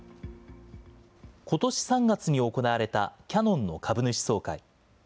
ことし３月に行われたキヤノンの株主総会。